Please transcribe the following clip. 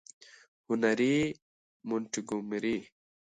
- هنري مونټګومري :